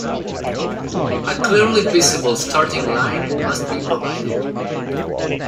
A clearly visible starting line must be provided.